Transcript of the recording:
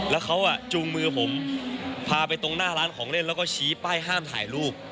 แล้วเขาจูงมือผมพาไปตรงหน้าร้านของเล่นแล้วก็ชี้ป้ายห้ามถ่ายรูป